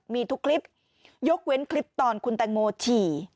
มีทุกคลิปยกเว้นคลิปตอนคุณแตงโมฉี่